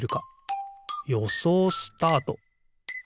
よそうスタート！